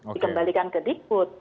dikembalikan ke digbud